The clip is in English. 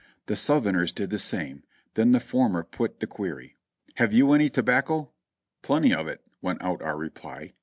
The Southerners did the same; then the former put the query. "Have you any tobacco?" "Plenty of it," went out our reply.